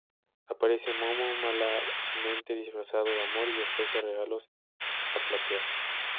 Aparece Momo, malamente disfrazado de Amor, y ofrece "regalos" a Platea.